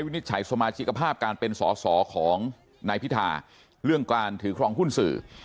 นิจฉัยสมาชิกภาพการเป็นสอสอของนายพิธาเรื่องการถือครองหุ้นสื่อ